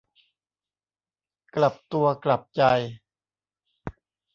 กลับตัวกลับใจ